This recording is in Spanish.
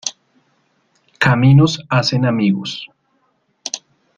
Caminos hacen amigos.